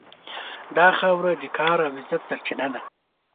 دا خاوره د کار او عزت سرچینه ده.